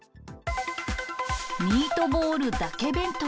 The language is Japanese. ミートボールだけ弁当。